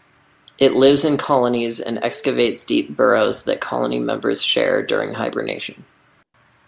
It lives in colonies and excavates deep burrows that colony members share during hibernation.